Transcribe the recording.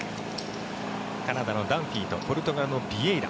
カナダのダンフィーとポルトガルのビエイラ。